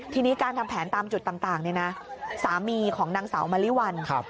ทีนี้การทำแผนตามจุดต่างเนี่ยนะสามีของนางสาวมะลิวัล